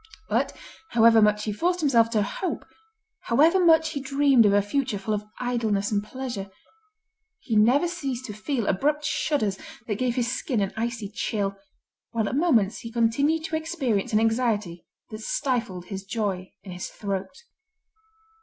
But however much he forced himself to hope, however much he dreamed of a future full of idleness and pleasure, he never ceased to feel abrupt shudders that gave his skin an icy chill, while at moments he continued to experience an anxiety that stifled his joy in his throat.